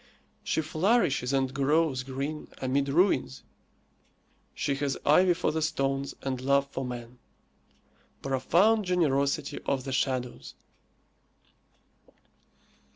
She flourishes and grows green amid ruins; she has ivy for the stones and love for man. Profound generosity of the shadows!